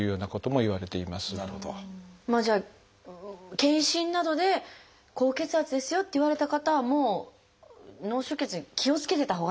じゃあ健診などで「高血圧ですよ」って言われた方はもう脳出血に気をつけてたほうがいいっていうことですか？